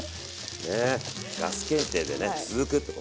ねガス検定でね続くってことで。